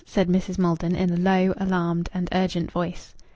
said Mrs. Maldon, in a low, alarmed, and urgent voice.